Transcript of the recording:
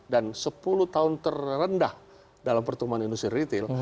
dan sepuluh tahun terendah dalam pertumbuhan industri retail